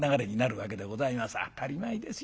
当たり前ですよ。